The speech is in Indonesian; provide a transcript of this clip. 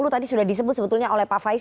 tadi sudah disebut sebetulnya oleh pak faiz